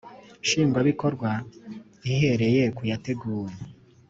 Nshingwabikorwa ihereye ku yateguwe